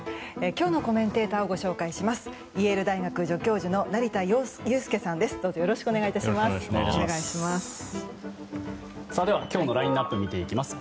今日のコメンテーターをご紹介します。